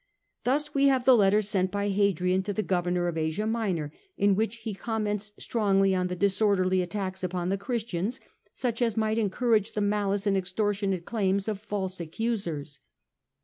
Thus we have the letter sent by Hadrian to the governor of Asia Minor, in which he comments strongly on the disorderly attacks upon the Christians, such as might encourage the malice and extortionate claims of false accusers.